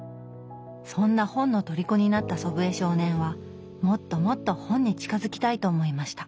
そんな本のとりこになった祖父江少年はもっともっと本に近づきたいと思いました。